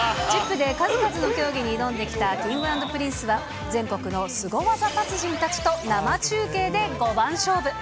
で数々の競技に挑んできたＫｉｎｇ＆Ｐｒｉｎｃｅは全国のスゴ技達人たちと生中継で５番勝負。